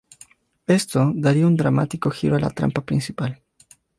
Esto daría un dramático giro a la trama principal.